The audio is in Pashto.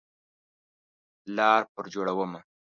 لار پر جوړومه